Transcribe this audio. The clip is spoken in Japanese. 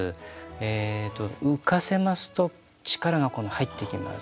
えと浮かせますと力が入ってきます。